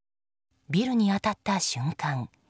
ビルに当たった瞬間